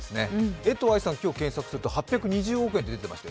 江藤愛さん、今日検索すると８２０億円って出てましたよ。